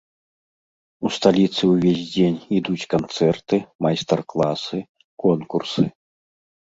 У сталіцы ўвесь дзень ідуць канцэрты, майстар-класы, конкурсы.